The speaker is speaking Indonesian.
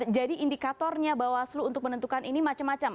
jadi indikatornya bawaslu untuk menentukan ini macam macam